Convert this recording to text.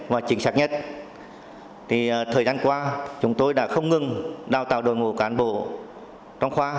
và chính xác nhất thì thời gian qua chúng tôi đã không ngừng đào tạo đội ngũ cán bộ trong khoa